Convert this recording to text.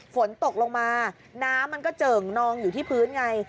ฝนตกลงมาน้ำมันก็เจิ่งนองอยู่ที่พื้นไง